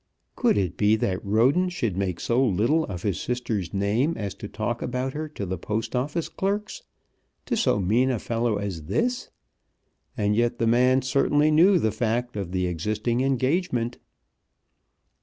Could it be that Roden should make so little of his sister's name as to talk about her to the Post Office clerks, to so mean a fellow as this! And yet the man certainly knew the fact of the existing engagement.